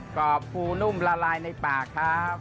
กรอบฟูนุ่มละลายในปาก